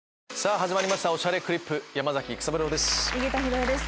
始まりました『おしゃれクリップ』山崎育三郎です。